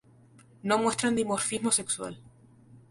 No muestran dimorfismo sexual.